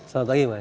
selamat pagi mas